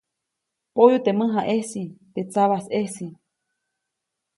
Poyu teʼ mäjaʼejsi. teʼ sabajsʼejsi.